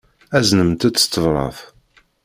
Aznemt-t s tebṛat.